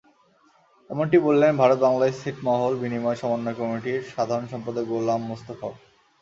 এমনটি বললেন ভারত-বাংলাদেশ ছিটমহল বিনিময় সমন্বয় কমিটির সাধারণ সম্পাদক গোলাম মোস্তফাও।